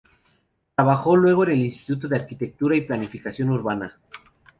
Trabajó luego en el Instituto de Arquitectura y Planificación Urbana.